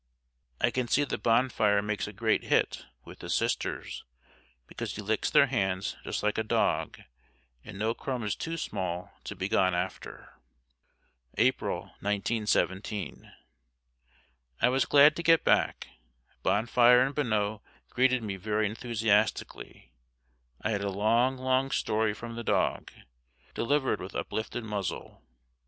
I can see that Bonfire makes a great hit with the Sisters because he licks their hands just like a dog, and no crumb is too small to be gone after. April, 1917. I was glad to get back; Bonfire and Bonneau greeted me very enthusiastically. I had a long long story from the dog, delivered with uplifted muzzle.